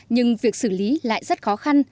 nhưng việc xử lý lại rất khó khăn